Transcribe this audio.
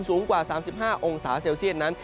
สูงกว่า๓๕องศาเซลเซียตนั้น